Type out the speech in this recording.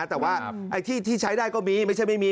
แต่ว่าไอ้ที่ใช้ได้ก็มีไม่ใช่ไม่มี